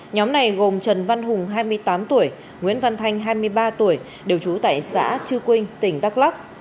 nhóm này gồm trần văn hùng hai mươi tám tuổi nguyễn văn thanh hai mươi ba tuổi đều trú tại xã chư quynh tỉnh đắk lắc